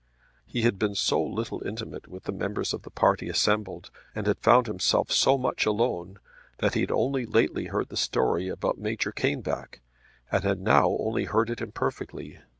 He had been so little intimate with the members of the party assembled and had found himself so much alone, that he had only lately heard the story about Major Caneback, and had now only heard it imperfectly.